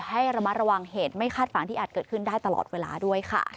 ให้ระมัดระวังเหตุไม่คาดฝันที่อาจเกิดขึ้นได้ตลอดเวลาด้วยค่ะ